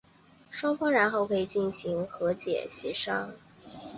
双方然后可以进行和解协商。